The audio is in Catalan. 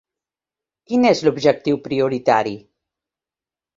Quin és l'objectiu prioritari?